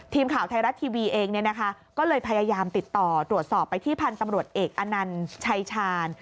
ทีมข่าวไทยรัฐทีวีเองเนี่ยนะคะก็เลยพยายามติดต่อตรวจสอบไปที่พันธุ์ตำรวจเอกอนันชัยชาญ